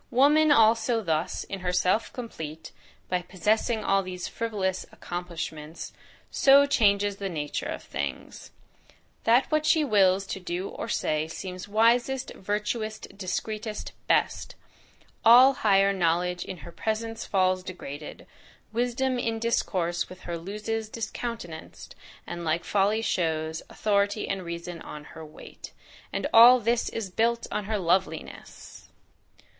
Woman, also, thus "in herself complete," by possessing all these FRIVOLOUS accomplishments, so changes the nature of things, "That what she wills to do or say Seems wisest, virtuousest, discreetest, best; All higher knowledge in HER PRESENCE falls Degraded. Wisdom in discourse with her Loses discountenanc'd, and like folly shows; Authority and reason on her wait." And all this is built on her loveliness!